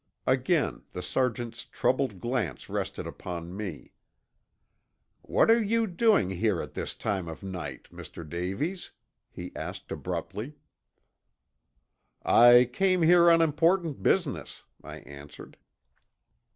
Again the Sergeant's troubled glance rested upon me. "What are you doing here at this time of night, Mr. Davies?" he asked abruptly. "I came here on important business," I answered.